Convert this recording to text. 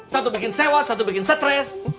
satu bikin sewa satu bikin stres